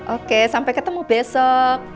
oke sampai ketemu besok